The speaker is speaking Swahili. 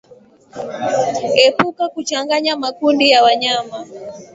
Epuka kuchanganya makundi ya wanyama